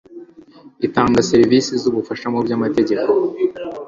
itanga serivisi z ubufasha mu by amategeko